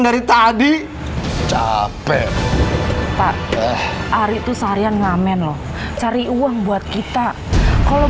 dari tadi capek pak ari tuh seharian ngamen loh cari uang buat kita kalau